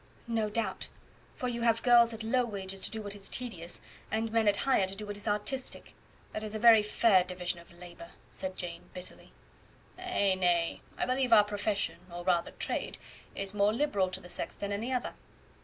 "No doubt for you have girls at low wages to do what is tedious, and men at higher to do what is artistic; that is a very fair division of labour," said Jane, bitterly. "Nay, nay; I believe our profession, or rather trade, is more liberal to the sex than any other.